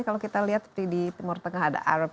kalau kita lihat seperti di timur tengah ada arab